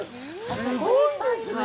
すごいですね。